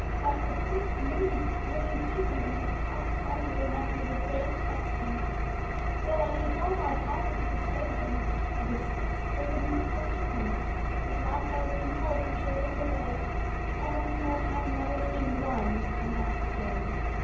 A great many brave gentlemen have passed by here and asked me the same question. Though I used all my power to persuade them to desist, they would not believe me. At last I was compelled to show them the way, and I have never seen one come back again.